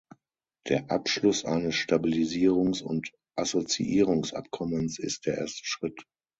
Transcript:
Der Abschluss eines Stabilisierungs- und Assoziierungsabkommens ist der erste Schritt.